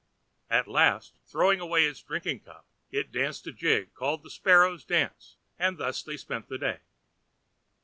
At last, throwing away its drinking cup, it danced a jig called the Sparrow's dance, and thus they spent the day.